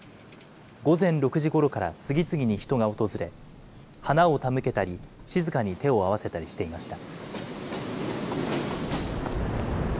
午前６時ごろから次々に人が訪れ、花を手向けたり、静かに手を合わせたりしていました。